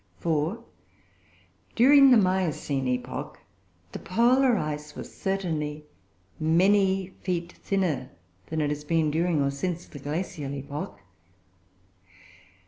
4. During the Miocene epoch the polar ice was certainly many feet thinner than it has been during, or since, the Glacial epoch.